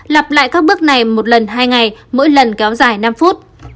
lặp lại các bước này một lần hai ngày mỗi lần kéo dài năm phút